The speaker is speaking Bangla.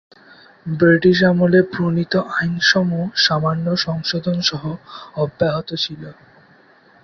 ব্রিটিশ আমলে প্রণীত আইনসমূহ সামান্য সংশোধনসহ অব্যাহত ছিল।